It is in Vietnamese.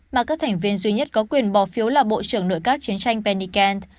mà các thành viên duy nhất có quyền bỏ phiếu là bộ trưởng nội các chiến tranh pennyken